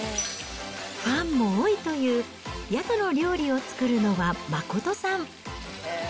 ファンも多いという宿の料理を作るのは真さん。